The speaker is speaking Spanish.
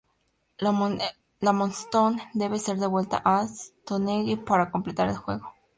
La moonstone debe ser devuelta a Stonehenge para completar el juego.